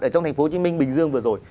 ở trong tp hcm bình dương vừa rồi